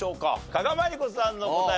加賀まりこさんの答え